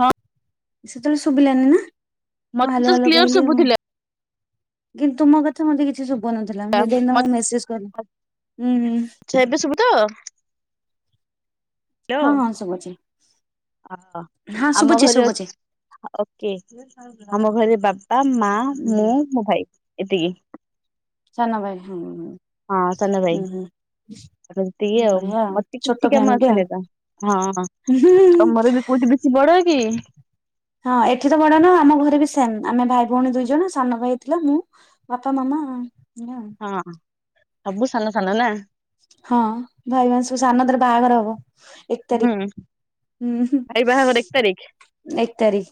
ହଁ। ସେତେବେଳେ ଶୁଭିଲାନି ନା। ମୁଁ ମୋତେ ହାଲୋ ସବୁ ହାଲୋ କ୍ଲିୟର କହିଲି ଶୁଭୁଥିଲା। କିନ୍ତୁ ମୋ କଥା ମତେ କିଛି ଶୁଭୁନି ବନଉଥିଲା ମୁଁ ସେ ଦିନ ମୁଁ ମତେ ମେସେଜ କଲି ହୁଁ ହୁଁ। ଆଛା ଏବେ ଶୁଭୁ ତ? ହଁ ହଁ ସୁବୁଛି। ଓ ଆମ ଘରେ ଶୁଭୁଛି ଅଛି ଓକେ। ଆମ ଘରେ ବା ତା ମା ମୁଁ ହୁଁ ମୋ ଭାଇ। ଏତିକି। ସାନ ଭାଇ ହୁଁ। ହଁ ସାନ ଭାଇ ହୁଁ ସେ ଆଉ ବଢିଆ ମତେ ଛୋଟ କିଛି କାମ ଫ୍ୟାମିଲି ଆଉ ଆସେନି ତ ହଁ ତମର ବି କୋଉଠି ବେଶୀ ବଡ଼ କି। ହଁ ଏଠି ତ ବଡ ନା ଆମ ଘରେ ବି ସେମ୍ ଆମେ ଭାଇ ଭଉଣୀ ଦୁଇ ଜଣ ସାନ ଭାଇ ଥିଲା ମୁଁ ବାପା ମାମା। ନୁହଁ। ହଁ ସବୁ ସାନ ସାନ ନା। ହଁ ଭାଇମାନେ ସବୁ ସାନ ଦାଦାର ବାହାଘର ହବ। ଏକ ତାରିଖ ହୁଁ ଭାଇ ବାହାଘର ଏକ ତାରିଖ ହଁ ଏକ ତାରିଖ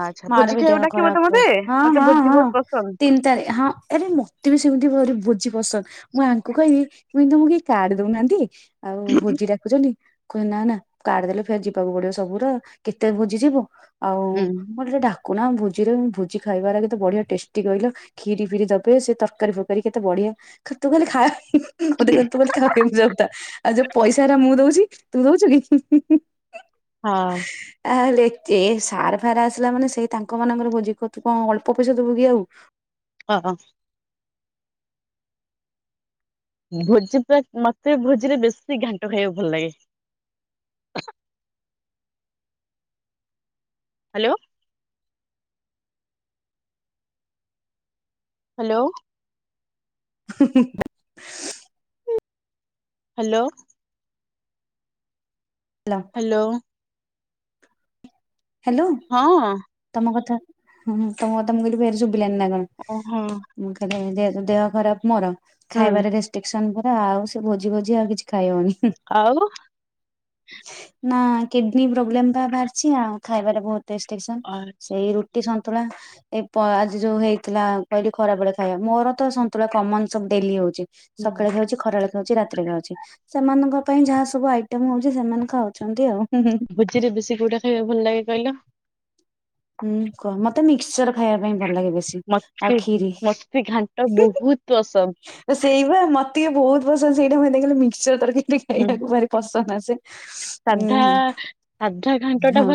ଆଚ୍ଛା ମାର ଭୋଜି ବି ଖାଇବାକୁ ଦେହ ଡାକିବ ତ ଖରାପ ମତେ ରହୁଛି ହଁ ମତେ ହଁ ଭୋଜି ହଁ ବହୁତ ପସନ୍ଦ। ତିନି ତାରିଖ ହଁ ଆରେ ମତେ ବି ସେମିତି ଭୋ କିଛି ପସନ୍ଦ ମୁଁ ୟାଙ୍କୁ କହିବି। ଟୁଇଁ ତମକୁ କେହି କାଡ ଦଉନାହାନ୍ତି? ଆଉ ଭୋଜି ଡାକୁଛନ୍ତି? କୁହେ ନା ନା କାଢ ଦେଲେ ଫେର ଯିବାକୁ ପଡିବ ସବୁର କେତେ ଭୋଜିଯିବ। ଆଉ ହୁଁ ମୁଁ ଟିକେ ଡାକୁ କୁ ଭୋଜିରେ ଭୋଜି ଖାଇବାର କେତେ ବଢିଆ ଟେଷ୍ଟି କହିଲ ଖିରି ଫିରି ଦେବେ ସେ ତରକାରୀ ଫରକାରୀ କେତେ ବଢିଆ ତୁତ ଖାଲି ଖାଇ। ହୋ ତୁ ଖାଲି ଖାଇବାକୁ ଯାଉଥା ଆଉ ଜୋ ପଇସା ଟା ମୁଁ ଦଉଛି। ତୁ ଦେଉଛୁକି? ହଁ। ତା ହେଲେ ଏ ସାର ଫାର୍ ଆସିଲା ମାନେ ସେଇ ତାଙ୍କ ମାନଙ୍କର ଭୋଜି କରୁ କଣ ଅଳ୍ପ ପଇସା ଦବୁ କି ଆଉ। ହଁ ହଁ। ଭୋଜି ପୁରା ମତେ ଭୋଜିରେ ବେଶୀ ଘାଣ୍ଟ ଖାଇବାକୁ ଭଲ ଲାଗେ। ହ୍ୟାଲୋ। ହ୍ୟାଲୋ। ହୁଁ ହୁଁ। ହ୍ୟାଲୋ। ହ୍ୟାଲୋ। ହ୍ୟାଲୋ ହଁ ତମ କଥା। ହୁଁ [unintelligible] ଲାନି ନା ଓହୋ କଣ ଖାଲି [unintelligible] ଦେହ ଖରାପ ମୋର। ହୁଁ ଖାଇବା ରେ ରେଷ୍ଟିକ୍ସ ପରା ଆଉ ସେ ଭୋଜି ଭୋଜି ଆଉ କିଛି ଖାଇ ହଉନି। ଆଉ? ନା କିଡନୀ ପ୍ରୋବ୍ଲେମ୍ ପା ବାହାରିଚି ଆଁ। ଖାଇବାରେ ବହୁତ ରେଷ୍ଟ୍ରିକ୍ସନ ଅ ସେଇ ରୁଟି ସନ୍ ନ୍ତୁଳା ଏଇ ପ ଆଜି ଯୋଉ ହେଇଥିଲା କହିଲି ଖରାବେଳେ ଖାଇବା ମୋର ତ ସନ୍ତୁଳା କମନ ସବୁ ଡେଲି ହଉଚି। ହୁଁ ସକାଳେ ଖାଉଚି ଖରାବେଳେ ଖାଉଚି ରାତିରେ ଖାଉଚି ସେମାନଙ୍କ ପାଇଁ ଯାହା ସବୁ ଆଇଟମ ହଉଚି ସେମାନେ ଖାଉଚନ୍ତି ଆଉ। ଭୋଜିରେ ବେଶୀ କୋଉଟା ଖାଇବା ଭଲ ଲାଗେ? କଇଲ ହୁଁ କ ମତେ ମିକ୍ସଚର ଖାଇବା ପାଇଁ ଭଲ ଲାଗେ ବେଶୀ ମତେ ଆଉ ଖିରି ମତେ ଘାଣ୍ଟ ବହୁତ ପସନ୍ଦ ସେଇ ପା ମତେ ଟିକେ ବହୁତ ପସନ୍ଦ ସେଇଟା ମୁଁ ଦେଖିଲ ମିକ୍ସର ତରକାରୀ। ହୁଁ ଖାଇବାକୁ ଭାରି ପସନ୍ଦ ଆସେ ଉଁ ସାଧା ହୁଁ।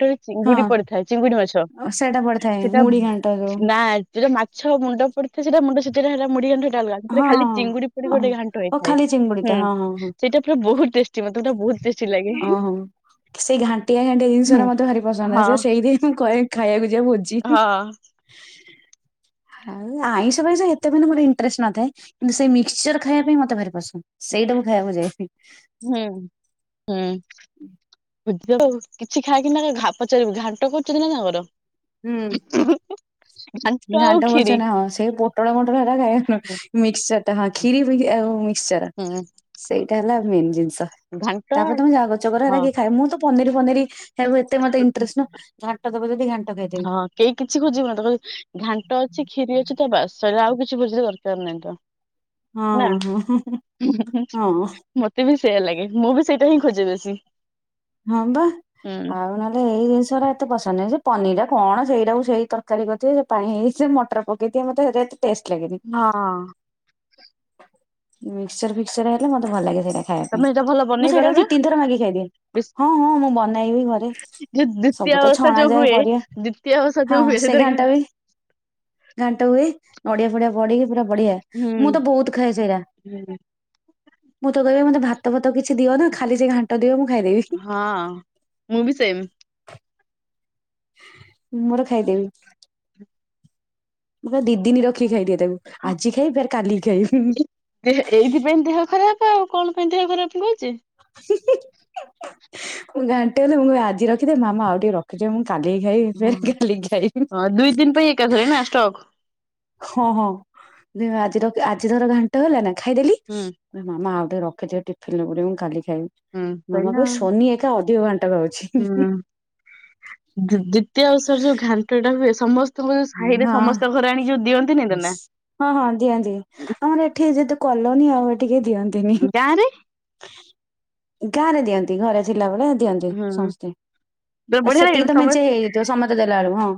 ଣ୍ଟ ରେ ଚିଙ୍ଗୁଡି ପଡିଥାଏ ଚିଙ୍ଗୁଡି ମାଛ ସେଇଟା ପଡିଥାଏ ସେଟା ମୁଢି ଘାଣ୍ଟ ଯୋଉ ନା ସେଟା ମା ଛଅ ମୁଣ୍ଡ ପଡିଥାଏ ସେଟା ମୁଣ୍ଡ ଛେଛଡା ହେଲା ମୁଡି ଘାଣ୍ଟ ଟ ଆଲଗା ହଁ ଖାଲି ଚିଙ୍ଗୁଡି ପଡି ହଁ ହଁ ଗୋଟେ ଘାଣ୍ଟ ଓ ହେଇଥାଏ। ଖାଲି ଚିଙ୍ଗୁଡ଼ିଟା ହୁଁ ହଁ ସେଇଟା ପୁରା ବହୁତ ଟେଷ୍ଟି ବହୁତ। ଟେଷ୍ଟି ଲାଗେ। ଓହୋ ସେଇ ଘାଣ୍ଟିଆ ଘାଣ୍ଟିଆ ଜିନିଷା ହୁଁ ମତେ ଭାରି ପସନ୍ଦ ହଁ ଆସେ ସେଇଥିପାଇଁ ମୁଁ କହେ ଖାଇବାକୁ ଯିବା ଭୋ ହଁ। ଆଉ ଆଇଁଷ ଫାଇଁଶ ପାଇଁଁ ହେତେ ବି ମୋର ଇନଟ୍ରେଷ୍ଟ ନଥାଏ ।କିନ୍ତୁ ସେଇ ମିକ୍ସଚର ଖାଇବା ପାଇଁ ମତେ ଭାରି ପସନ୍ଦ ସେଇଟାକୁ ଖାଇବାକୁ ଯାଏ। ହୁଁ। ହୁଁ। ହୁଁ ଉ କିଛି ଖାଇକିନା ଘା ପଚାରିବୁ ଘାଣ୍ଟ କରୁଚନ୍ତି ନା ତାଙ୍କର? ହୁଁ ଆଉ ଘାଣ୍ଟ ଖିରି କଚନା ହଁ ସେଇ ପୋଟଳ ପୋଟଳ ହେଲା ଖାଇବା ହୁଁ ନୁହଁ ମିକ୍ସଚର ଟା ହଁ ଖିରି ଆ [unintelligible] ସର ହୁଁ ସେଇ ସେଇଟା ହେଲା ମେନ୍ ଜିନିଷ ଘାଣ୍ଟ ତାପରେ ତମେ ଯାହା କରୁଚ କର ହେରା ହଁ କିଏ ଖାଏ ମୁଁ ତ ପନିର ପନିର ହେ ଏତେ ମତେ ଇଟରେଷ୍ଟ ନ ଘାଣ୍ଟ ଦେବ ଯଦି ଘା ହଁ କେହି କିଛି ଖୋଜିବୁନ ତ ଘାଣ୍ଟ ଅଛି କ୍ଷୀରି ଅଛି ତ ବାସ। [unintelligible] ଆଉ କିଛି ବୁଝିଲେ ଦରକାର ନାହିଁ ତ। ହଁ ନା ହଁ ହଁ ହଁ। ସେଇୟଆ ଲାଗେ ମୁଁ ବି ସେଇଟା ହିଁ ଖୋଜେ ବେଶୀ। ହଁ ବା ହୁଁ ଆଉ ନହେଲେ ଏଇ ଜିନିଷରା ମତେ ପସନ୍ଦ ନାହିଁ ପନି ଟା କଣ ସେଇଟାକୁ ସେଇ ତରକାରୀ କରିଥିବ ସେ ପାଣି ହେଇ ମଟର ପକେଇଥିବେ ମତେରେ ଟେଷ୍ଟ ଲାଗେନି। ହଁ [inaudible] ମିକ୍ସଚର ଫିକସର ହେଲେ ମତେ ଭଲ ଲାଗେରେ ଖାଇବା ପାଇଁ ତମେ ଏଇଟା ଭଲ ମୁଁ ବନେଇ ପାର ସେଇଟାକୁ ନା ଦି ତିିଥର ମାଗି ଖାଇଦିଏ। ବେଶ୍ ହଁ ହଁ ମୁଁ ବନେଇବି ଘରେ ଯୋଉ ଦ୍ଵିତୀୟ ସବୁ ତ ଓଷା ଛଣା ଯୋଉ ଯାଏ ହୁଏ ପରିବା ଦ୍ଵିତୀୟ ଓଷା ହଁ ଯୋଉ ହୁଏ ସେ ସେଥିରେ ଘା ଘାଣ୍ଟ ବି ଘାଣ୍ଟ ହୁଏ। ନଡିଆ ଫଡିଆ ପଡିକି ବଢିଆ ହୁଁ ମୁଁ ତ ବହୁତ ଖାଏ ସେଇଟା ହୁଁ ମୁଁ ତ କହିବି ମତେ ଭା ତମ ତାକୁ କିଛି ଦଅ ନା ଖଲି ଯେ ଘାଣ୍ଟ ଦିଅଁ ଖାଇଦେବି। ହଁ ମୁଁ ବି ସେମ୍। ମୋର ଖାଇଦେବି [inaudible] ଦିଦିନି ର ଖି ଖାଇଦିଏ ତାବୁ ଆଜି ଖାଇବି ଫାର କାଲିି ଖାଇଵି [inaudible] ଏଇଥିପାଇଁ ଦେହ ଖରାପ ଆଉ କଣ ପାଇଁ ଦେହ ଖରାପ ହୁଏ। [inaudible] ମୁଁ ଘାଣ୍ଟ ଗଲେ ମୁଁ ଆଜି ରଖିଦି ମାମା ଆଉ ଟିକେ ରଖିଦେ ମୁଁ କାଲି ଖାଇ ଫ ହଁ କାଲି ଖାଇ [inaudible] ଦୁଇ ଦିନ ପାଇଁ ଏକାଥରେ ନା ଷ୍ଟକ୍ ହଁ ହଁ ଆଜିର ଆଜିର ଘାଣ୍ଟ ହେଲା ନା ଖାଇଦେଲି ହୁଁ ମାମା ରଖିିବେ ଟିଫନରେ ମୁଁ କାଲି କହିଲା [unintelligible] ଶୋନି ଏକା। [inaudible] ହୁଁ ଦ୍ଵିତୀୟ ଔଷର ଯୋଉ ଘାଣ୍ଟ ଟା ହୁଏ। ସମସ୍ତ ହଁ ତ ନା [inaudible] ହଁ ହଁ ଦିଅ ଦି ଆମର ଏଠି ଯେତ କଲୋନୀ ଆଉ ଏ ଟିକେ ଦିଅନ୍ତିନି ଗାଁ ରେ [inaudible] ଗାଁ ରେ ଦିଅନ୍ତି ଘରେ ଥିଲାବେଳେ ଦିଅନ୍ତି ହୁଁ ସମସ୍ତେ ପୁରା ଆ ବଢିଆ ସେତିକି ଲାଗେନି ତ ମେଞ୍ଚେ ସମସ୍ତେ ହେଇଯାଇଥିବ ସମସ୍ତେ ଦେଲା ବେଳକୁ ହଁ।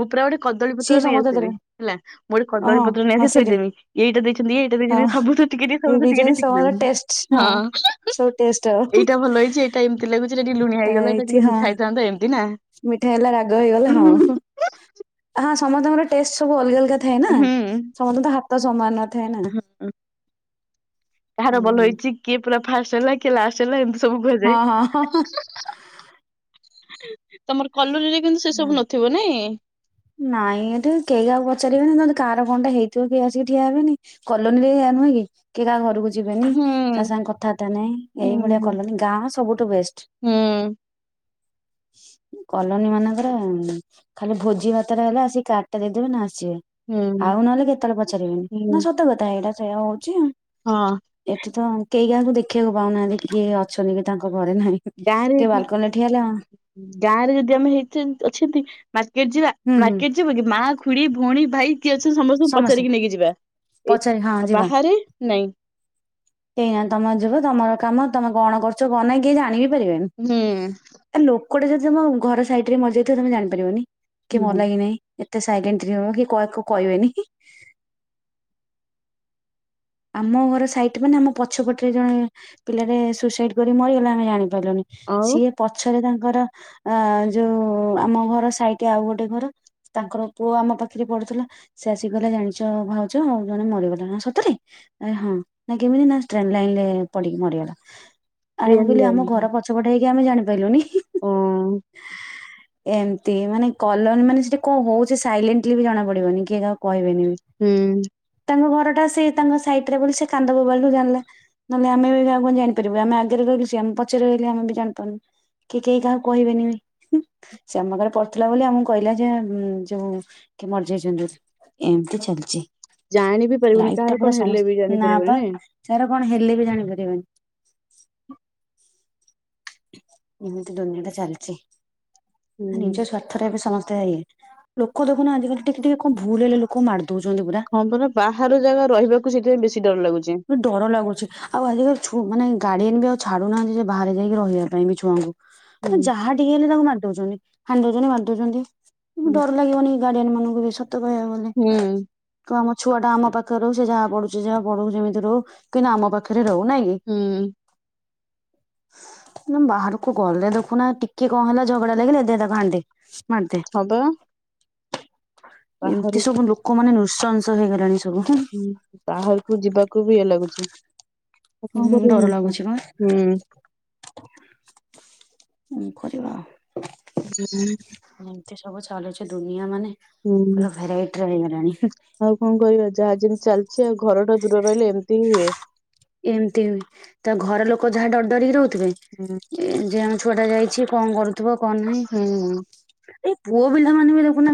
ମୁଁ ପୁରା ଗୋଟେ କଦଳୀ ପତ୍ର ସିଏ ନେଇ ସମସ୍ତେ ଆସିବେ ଦେଲେ ହେଲା ଗୋଟେ କଦଳୀ ହଁ ପତ୍ର ହଁ ନେଇଆସି ସେଇଟା ଥୋଇଦେବେ ଏଇଟା ଦେଇଛନ୍ତି ଇ ଏଇଟା ହଁ ଦେଇଛନ୍ତି ସବୁଥିରୁ ଟିକେ ଟିକେ ଏ ସବୁଥିରୁ ଟିକେ ବିରିୟାନୀ ଟିକେ ଶିଖି ସମସ୍ତଙ୍କର ଦେମି ଟେଷ୍ଟ ହଁ ସବୁ ଟେଷ୍ଟ ଆଉ। ଏଇଟା ଭଲ ହେଇଛି ଏଇଟା ଏମତି ଲାଗୁଛି ଟିକିଏ ଲୁଣିଆ ଟା ହେଇଗଲା ଏଇଟା ହେଇଛି ଟିକେ ହଁ ମିଠା ହେଇଥାନ୍ତା ଏମିତି ନା? ମିଠା ହେଲା ରାଗ ହେଇଗଲା ହଁ। ହଁ ସମସ୍ତଙ୍କର ଟେଷ୍ଟ ସବୁ ଅଲଗା ଅଲ ଥାଏ ନା ହୁଁ ସମସ୍ତେ ତ ହାତ ତ ସମାନ ଥାଏ ନା ହୁଁ କାହାର ଭଲ ହୁଁ ହେଇଛି କିଏ ପୁରା? ଫାଷ୍ଟ ହେଲା କିଏ ଲାଷ୍ଟ ହେଲା ଏମିତି ସବୁ ହଁ ଭୁଜାଏ। ହଁ ହଁ ତମର କଲୁ ଯଦି କିନ୍ତୁ ସେ ହଁ। ସବୁ ନଥିବ ନାଇଁ। ନାଇଁ ଏଠି କେହି ଆଉ ପଚାରିବେନି ଯଦି କାହାର କଣଟା ହେଇଥିବ କିଏ ଆସିକି ଠିଆ ହେବେନି କଲୋନୀରେ ଇଆ ନୁହେଁ କିଏ କାହା ଘରକୁ ଯିବେନି ହୁଁ କା ସାଙ୍ଗ କଥାବାର୍ତ୍ତା ନାଇଁ ଏଇ ଭଳିଆ ହୁଁ କଲୋନି ଗାଁ ସବୁଠୁ ବେଷ୍ଟ। ହୁଁ କଲୋନୀ ମାନଙ୍କରେ ଖାଲି ଭୋଜି ଭାତ ହେ ଆ କାଡ୍ ଟେ ଦେଇଦେବେ ନା ଆଉ ହୁଁ ନହେଲେ କେତେବେଳେ ପଚାରିବେନି ହୁଁ ନା ସତ କଥା ଏଇଟା ସେଇଆ ହଉଛି। ହଁ ଏଠି ତ କେହି କାହାକୁ ଦେଖି ଦେଖିବାକୁ ପାଉନାହାନ୍ତି କିଏ ଅଛନ୍ତି କି ତାଙ୍କ ଘରେ ନାହିଁ ଗାଁରେ କିଏ ଯଦି ବାଲକନ ଠିଆ ହେଲେ ହଁ? କେ ଯିବା ମାରକେଟ୍ ଯିବ କି ମା ଖୁଡି ଭଉଣୀ ଭାଇ ଏ ଅଛନ୍ତି ସମସ୍ତଙ୍କୁ ସମସ୍ତେ ପଚାରିକି ନେଇକି ଯିବା ଏ ପଚାରି ହଁ ଯିବା। ବାହାରେ ନାଇଁ କେହି ନାହାନ୍ତି ତମେ ଯିବ ତମର କାମ ତମେ କଣ କରୁଛ କଣ ନାଇ କିଏ ଜାଣିବି? ହୁଁ। କୁଆଡ଼େ [unintelligible] ଘର ସାଇଡ ରେ ମରିଯାଇଥିବା ତମେ ଜନିପାରିବନି। କିଏ ହୁଁ ମଲା କି ନାହିଁ। ଏତେ ସାଇଲେଣ୍ଟ କାହାକୁ କହିବେନି [inaudible] ଆମ ଘର ସାଇଟରେ ମାନେ ପଛପଟରେ ଜଣେ ପିଲାଟେ ସୁସାଇଡ କରି ମରିଗଲା ଆମେ ଜାନ [unintelligible] ଆଉ ସିଏ ପଛରେ ତାଙ୍କ ଆ ଯୋଉ ଆମ ଘର ସାଇଟ ଆଉ ଗୋଟେ ଘର ତାଙ୍କର ପୁଅ ଆମ ପାଖରେ ପଢୁଥିଲା ସେ ଆସିିକି କହିଲା ଜାଣିଚ ଭାଉଜ ଜଣେ ମରିଗଲା ନା ସତରେ। ଆରେ ହଁ ନା କେମିତି ଟ୍ରେନଲାଇନ ରେ ପଡିକି ମରିଗଲା। ଆରେ ମୁଁ ଟ୍ରେନ କହିଲି ଆମ ଲାଇନ ଘର ପଛପଟେ ଆମେ ଜାଣିପାରିଲୁନି। ଓ। ଏମତି ମାନେ କଲନ ମାନେ ସେଠି କଣ ହଉଛି ସାଇଲେଣ୍ଟଲି ବି ଜଣା ପଡିବନି କିଏ କାହାକୁ କହିବ ହୁଁ ତାଙ୍କ ଘର [unintelligible] ତାଙ୍କ ସାଇଟର ବୋଲି ସେ କାନ୍ଦ ବୋବାଳିରୁ ଜାଣିଲା ନହେଲେ ଆମେ ବି କାହାକୁ କଣ ଜାଣିପାରିବୁ ଆମେ ଆଗରେ ରହିଲେ ସିଏ ଆମ ପଛରେ ରହିଲି ଆମେ ବି ଜାଣିପାରୁନୁ କି କେହି କାହାକୁ କହିବେନି ସେ ଆମ କରେ ପଢୁଥିଲା ବୋଲି ଆମକୁ କହିଲା ଯେ ଯଉ କି ମରିଯଯାଇଛନ୍ତି ଏମିତି ଚାଲିଛି। ଜାଣି ବି ପାରିବୁନି କାହାର କ ସମ ନାପା ସାଡେ କଣ ହେଲେ ବି ଜାଣିପାରିବନି। ଏମିତି ଦୁନିଆ ଟା ଚାଲଚି। ହୁଁ ନିଜ ସ୍ୱାର୍ଥଟାକୁ ସମସ୍ତେ ଲୋକ ଦେଖୁନ ଆଜିକାଲି ଟିକେ ଟିକେ କଣ ଭୁଲ ହେଲେ ଲୋକ ମାର ହଁ ପରା ବାହାର ଜାଗାରେ ରହିବାକୁ ସେଥିପାଇଁ ବେଶୀ ଡର ଲାଗୁଚି। ଡର ଲାଗୁଛି ଆଉ ଆଜିିକାଲି ଛୁଆ ମାନେ ଗାର୍ଡିଆନ୍ ଆଉ ଛାଡ଼ୁନାହାନ୍ତି ଯେ ବାହାରେ ଯାଇକି ରହିବା ପାଇଁ ବି ଛୁଆଙ୍କୁ। ହୁଁ ତ ଯାହା ଟିକେ ହେଲେ ତାକୁ ମାରି ଦଉଚନ୍ତି। ହାଣିଦୋଉଚନ୍ତି ମାରିଦୋଉଚନ୍ତି। ଡର ଲାଗିବନି ଗାର୍ଡ଼େନମାନାନଙ୍କୁ ବି ସ ସତ କହିବାକୁ ଗଲେ ହୁଁ କଣ ଛୁଆଟା ଆମ ପାଖରେ ସେ ଯାହା ପଢୁଛି ଯହା ପଢ଼ାଉ ଯେମିତି ରହୁ କିନ୍ତୁଆାମ ପାଖରେ ରହୁ ନା କି? ହୁଁ ବାହାରକୁ ଗଲେ ଦେଖୁନା ଟିକେ କଣ ହେଲା ଝଗଡା ଲାଗିଲା ଦେ ତାକୁ ହଣିଦେ। ମାରଦେ। ହଁ ବା। ଏମିତି ସବୁ ଲୋକମାନେ ନୁ ନୁରସଂସ ହେଇଗଲେଣି। ହୁଁ ବାହାରକୁ ଯିବାକୁ ବି ଇଏ ଲଗୁଛି। ଆଉ କଣ ହୁଁ କରିବା ଡର ଲାଗୁଛି ବା ମଣିଷ। ହୁଁ କରିବା। ଯେଁ ଏମିତି ସବୁ ଚାଲିଛି ଦୁନିଆ ମାନେ ହୁଁ ପୁରା ଭେରାଇଟିର ହେଇଗଲା। ଆଣି ଆଉ କଣ କହିବା ଯାହା ଯେମତି ଚାଲିଚି ଆଉ ଘରଠୁ ଦୂରରେ ରହିଲେ ଏମିତି ହିଁ ହୁଏ। ଏମିତି ତା ଘର ଲୋକ ଯାହା ଡରଡରିକ ରହୁ ହୁଁ ଏ ଯେ ଆମ ଛୋ ଛୁଆଟା ଯାଇଛି କଣ କରୁ ହୁଁ। ଏଇ ପୁଅପିଲାମାନେ ବି ଦେଖୁନା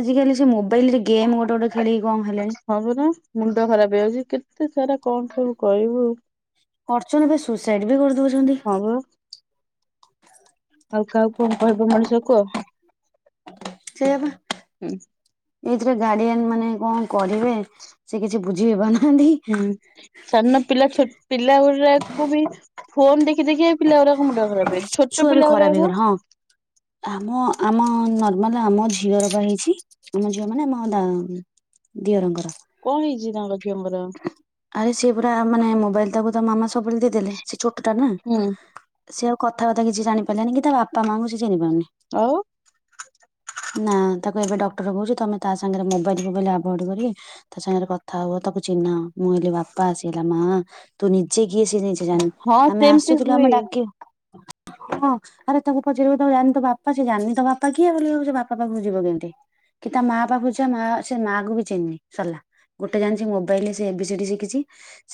ଆଜିିକାଲି ସେ ମୋ ମୋବାଇଲରେ ଗେମ୍ ଗୋଟେ ଗୋଟେ ଖେଳିକି କଣ ହେଲେଣି। ହଁ ପରା ମୁଣ୍ଡ ଖରାପ ହେଇଯାଉଛି କେତେ ସାରା କଣ ଖାଇବୁ କହିବୁ ମାରଚନ୍ତି ଫେରେ ସୁଇସାଇଡ ବି କରିଦୋଉ ହଁ ପା। ଆଉ କାହାକୁ କଣ କହିବ ମଣିଷକୁ ଆଉ। ସେଇଆ ପା ନି ରେ ଗାର୍ଡିଆନ ମାନେ କଣ କରିବେ ସେ କିଛି ବୁଝି ହେବାନା ହୁଁ ସାନପିଲା ଛୋ-ପିଲାଗୁଡାକୁ ବି ଫୋନ ଦେ ଛୁଆ ବି ପିଲା ଖରାପ ଗୁଡାକ ହେଇଗଲା ହଁ ଆମ ଆମ ନ ମାନେ ଆମ ଝିଅର ପା ହେଇଚି ଆମ ଝିଅ ମାନେ ଆମ ଦା-ଦିଅରଙ୍କର। କଣ ହେଇଛି ତାଙ୍କ ଝିଅଙ୍କର। ଆରେ ସିଏ ପୁରା ମାନେ ଆ ମୋବାଇଲ ତାକୁ ତା ମାମା ସବୁବେଳେ ଦେଇଦଲେ ସେ ଛୋଟଟା ନା ହୁଁ। ସିଏ ଆଉ କଥାବାର୍ତ୍ତା କିଛି ଜଣିପାଇଲାନି କି ତା ବାପମାଙ୍କୁ ସିଏ ଚିହ୍ନିପାରୁନି। ଆଉ ନା ତାକୁ ଏବେ ଡକ୍ଟର କୋହୁଚି ତମେ ତା ସାଙ୍ଗରେ ମୋବାଇଲି ଫୋବାଇଲି ଆଭଏଡ କରିକି ତା ସାଙ୍ଗରେ କଥା ହୁଅ ତାକୁ ଚିହ୍ନାଅ ମୁଁ ହେଲି ବାପା ସିଏ ହେଲା ମା ତୁ ନିଜେ କିଏ ଯାଇଁ ଚି ଜାଣି ହଁ ଆମେ ସେମିତି ଆସୁ କି ହୁଏ ଆମେ ଡାକି ହଁ ଆରେ ତାକୁ ପଚାରିବ ତା ଯାଆନି ତା ବାପା ସିଏ ଜାଣନି ତା ବାପା କିଏ ବୋଲି ଭାବୁଚି ବାପା ପାଖକୁ ଯିବ କେମତି କି ତା ମା ପାଖକୁ ଯା ମା ସେ ମାଆକୁ ବି ଚିହ୍ନନି ସରଲା ଗୋଟେ ଜାଣିଚି ମୋବାଇଲରେ ସିଏ ଏ ବି ସି ଡ଼ି ଶିଖିଚି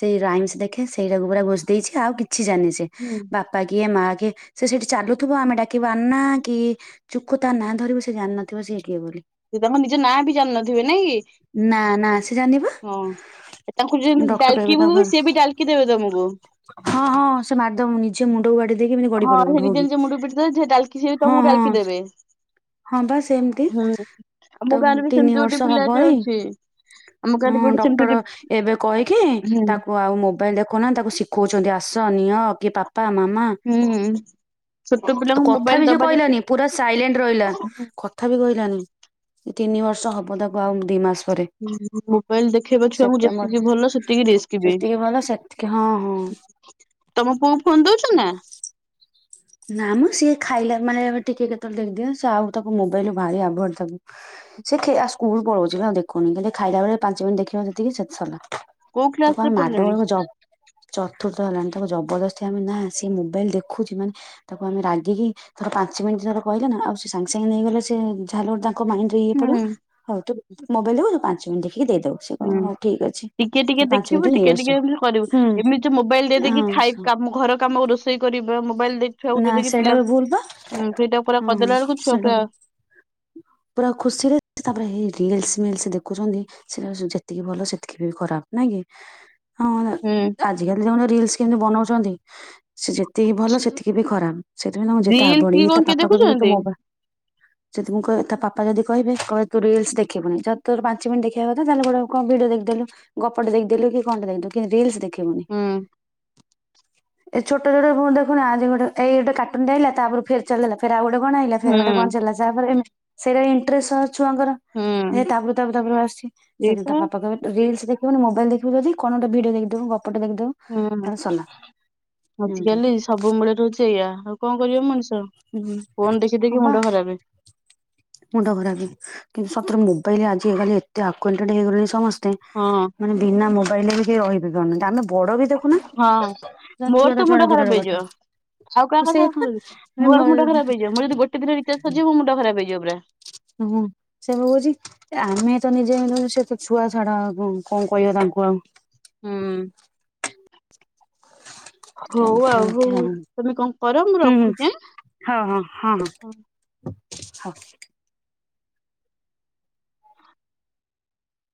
ସେଇ ରାଇମସ ଦେଖେ ସେଇଟାକୁ ପୁରା ଘୋଷି ଦେଇଚି ଆଉ କିଛି ଜାଣି ହୁଁ। ବାପା କିଏ ମା କି ସିଏ ସେଇଠି ଚାଲୁଥିବ ଆମେ ଡାକିବୁ ଆନା କି ଚୁକୁ ତା ନାଁ ଧରିବୁ ସିଏ ଜାଣନଥିବ ସିଏ କିଏ ବୋଲି। ତାଙ୍କ ନିଜ ନାଁ ବି ଜାଣିନଥିବେ ନାଇଁକି ନା ନା ସେ ଜାଣିନି ପା ହଁ ତାଙ୍କୁ ଯେ ଡକ୍ଟର ଏବେ ତାକୁ ଡାଲକିବୁ ସିଏ ବି ଡାଲକି ଦେବେ ତମକୁ। ମାରଦବ ନିଜେ ମୁଣ୍ଡକୁ ବାଡ଼େଇଦେଇକି ଏମିତି ଗଡି ହଁ ପଡିବ ସେ ନିଜ ଢ଼ୋକି ନିଜ ମୁଣ୍ଡକୁ ପିଟି ଦେବେ ସେ ଡାଲକି ସିଏ ବି ହଁ ତମକୁ ହଁ ଡାଲକି ଦେବେ। ହଁପା ସେମିତି। ହୁଁ ଆମ ତାକୁ ଗାଁରେ ବି ତିନି ସେମିତି ଗୋଟେ ବର୍ଷ ହବ ପିଲାଟେ ଏଇ ଅଛି ଆମ ଗାଁରେ ହଁ ବି ଗୋଟେ ସେମିତି ଡକ୍ଟର ଗୋଟେ ଏବେ କହିକି ହୁଁ। ତାକୁ ଆଉ ମୋବାଇଲ ଦେଖଉନାନ୍ତି ତାକୁ ଶିଖଉଛନ୍ତି । ସାନିଅ । ଓକେ ତା ପ । ପାପା ମାମା ହୁଁ। ଛୋଟ ପିଲାଙ୍କୁ କଥା ମୋବାଇଲ ବି ସେ ଦବା କହିଲାନି ଯେତିକି ପୁରା ସାଇଲେଣ୍ଟ ରହିଲା କଥା ବି କହିଲାନି। ତିନି ବର୍ଷ ହବ ତାକୁ ଆଉ ଦିମାସ। ମୋବାଇଲ ଦେଖେଇବା ଛୁଆଙ୍କୁ ଯେତିକି ଭଲ ସେତିକି ରିସ୍କି ବି। ଯେତିକି ଭଲ ସେତିକି ହଁ ହଁ ତମ ପୁଅ ଫୋନ ଦଉଛ କଣ ନା। କହୁଚି ନା ମ ସିଏ ଖାଇଲା ମାନେ ଟିକେ କେତେବେଳେ ଦେଖିଦିଅ ସ ସେ ଆଉ ତାକୁ ମୋବାଇଲ ଭାରି ଆଭଏଡ଼ ତାକୁ ସେ ସ୍କୁଲୁ ପଳଉଛିବା ଆଉ ଦେଖୁନି ଖାଲି ଖାଇଲା ବେଳେ ପାଞ୍ଚ ମିନିଟ ଦେଖିବ ଯେତିକି ସେତିକି ସାରଲା। କଉ କ୍ଲାସରେେ ପଢି ଲାଣି । ଚତୁର୍ଥ ହେଲାଣି ତାକୁ ଜବରଦସ୍ତି ଆମେ ନା ସେ ମୋବାଇଲ ଦେଖୁଛି ମାନେ । ତାକୁ ଆମେ ରାଗିକି ଧର ପାଞ୍ଚ ମିନିଟ୍ ଧର କହିଲେ ନା ଆଉ ସେ ସାଙ୍ଗେ ସାଙ୍ଗେ ନେଇଗଲେ ସେ ଯାହା ହେଲେ ଗୋଟେ ତାଙ୍କ । ମାଇଣ୍ଡ ଇଏ ପଡିବ ହୁଁ। ହଉ ତୁ । ମୋବାଇଲୁ ପାଞ୍ଚ ମିନିଟ ଦେ ହୁଁ ଟିକେ ଟିକେ ପାଞ୍ଚ ଦେଖିବୁ ମିନିଟରେ ନେଇ ଟିକେ ଆସୁ ଟିକେ ଏମତି କରିବୁ ହୁଁ ଏମିତି ଯୋଉ ମୋବାଇଲ ଦେଇ ଦେଇକି ଖାଇ ହଁ କାମ ଘର କାମ ରୋଷେଇ କରିବ ମୋବାଇଲ ଦେଇ । ନା ସେଇଟା ବି ଭୁଲ ବା ପୁରା ହଁ କରିଦେଲା ବେଳକୁ ଛୁଆ ସେଟା ପୁରା ବି ପୁରା ଖୁସିରେ ତାପରେ ହେଇ । ରିଲିସ ମିର୍ଲସ ଦେଖୁଛନ୍ତି ସେଟା ଯେତିକି ଭଲ ସେତିକି ବି ଖରାପ ନାଇଁ କି? ହଁପରା ହୁଁ ଆଜିକାଲି ଜାଣିନୁ ରିଲସ କେମତିି ବନଉଛନ୍ତି ଛନ୍ତି । ସେ ଯେତିକି ଭଲ ସେତିକି । ଖରାପ । ସେଥିପାଇଁ ତାକୁ ଯେତେ ରିଲସ ଆଭଏଡ୍ କି ଇଏ କଣ ତା କିଏ ପାପା କହିବେ ନାଇ ତୁ ଦେଖୁଛନ୍ତି ମୋବା ଯଦି ମୁଁ କହି ତା ପାପା ଯଦି କହିବେ କହିବେ ତୁ ରିଲସ ଦେଖିବୁନି ଯଦିତୋର ପାଞ୍ଚ ମିନିଟ ଦେଖିବା କଥା ତାହେଲେ ଗୋଟେ ଭିଡିଓ ଦେଖିଦେଲୁ ଗପଟେ ଦେଖଦେଲୁ କି କଣଟେ ଦେଖିଦଲୁ କିନ୍ତୁ ରିଲସ ଦେଖିବୁନି। ଖି ବୁନି ହୁଁ । ଏ ଛୋଟ ଛୋଟଭୁଲ ଦେଖୁନୁ ଆଜି ଗୋଟେ। ଏଇ ଗୋଟୋକାଟୁନଟେ ଆଇଲା ତାପରେ ଫିର ଚଲେଇଲା ଫିର ଆଉଗୋଟେ। କଣ ଆଇଲା ହୁଁ ଫେରୋଗୋଟେ କଣ ଚାଲିଲା ତା ପରେ । ସେଇଟା ଇଣ୍ଟରେଷ୍ଟ । ଛୁଆଙ୍କର ହେଇ ହୁଁ ତାପରୁ ତାପରୁ ତାପରୁ ଆସୁଛି ସେଇଥି ପାଇଁ ତା ଏଇପା ପାପା କହିବେ ରୀଲସ ଦେଖ । ବୁନୀ ମୋବାଇଲ ଦେଖିବୁ ଯଦି କଣୋ ଗୋଟେ ଭିଡିଓ ଦେଖିଦବୁ । ହୁଁ ଏମିତି। ଆଜିକାଲି ସବୁ ମୂଳେ ରହୁଛି। ସେଇଆ ଆଉ କଣ କରିବ ମଣିଷ ହୁଁ। । ଫୋନ ଦେଖି ହଁ ଦେଖି ବା। ମୁଣ୍ଡ ଖରାପ । ମୁଣ୍ଡ ଖରାପ । କିନ୍ତୁତଥିରେ ମୋବାଇଲ ଆଜି ହେଗଲି ଏତେ ଆକ୍ୱାଣ୍ଟେଡ଼ ହେଇଗଣି ସମସ୍ତ। ହଁ ମାନେ ବିନା ମ କହଲେ ବି ସେ ରହିିବେ ଆମ। ହଁ ମୋର ତ ଛଡା ମୁଣ୍ଡ ଦୂରର ଖରାପ କଥା ହେଇଯିବ ଆଉ କାହା କଥା ସେଇପା କ ମୋର ମୁଣ୍ଡ ଖରାପ ହେଇଯିବ ମୁଁ ଯଦି ଗୋଟେ ଦିନ ରିଚାର୍ଜ ସରିଯିବ ମୋ ମୁଣ୍ଡ ଖରାପ ହେଇଯିବ। ପୁରା। ହୁଁ ସେ ଭ କହୁଛି ଆମେ ତ ନିଜେ ସେ ତ ଛୁଆ ଛାଡା କଣ କହିବ ତାଙ୍କୁ ଆଉ। ହୁଁ। ହଉ ଆଉ ହଉ ହୁଁ ତମେ କଣ କର ମୁଁ ହୁଁ ରଖୁଛି ହଁ ହଁ ହଁ ହଁ ଏଁ। ହଉ।